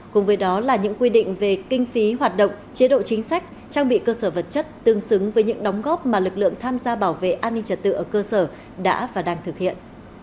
cùng với đó là những quy định về kinh phí hoạt động chế độ chính sách trang bị cơ sở vật chất tương xứng với những đóng góp mà lực lượng tham gia bảo vệ an ninh trật tự ở cơ sở đã và đang thực hiện